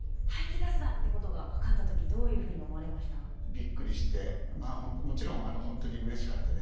びっくりしてもちろんほんとにうれしかったです。